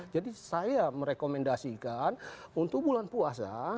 jadi saya merekomendasikan untuk bulan puasa